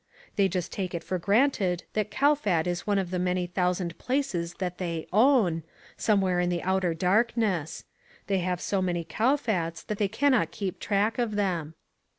They just take it for granted that Kowfat is one of the many thousand places that they "own," somewhere in the outer darkness. They have so many Kowfats that they cannot keep track of them.